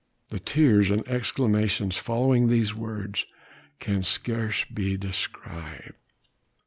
The tears and exclamations following these words can scarce be described.